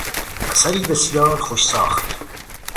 اثری بسیار خوش ساخت